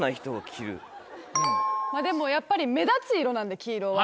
ピンポンまぁでもやっぱり目立つ色なんで黄色は。